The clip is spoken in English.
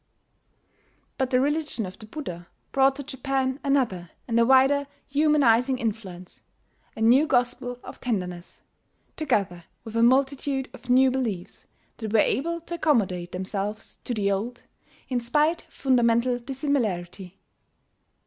But the religion of the Buddha brought to Japan another and a wider humanizing influence, a new gospel of tenderness, together with a multitude of new beliefs that were able to accommodate themselves to the old, in spite of fundamental dissimilarity.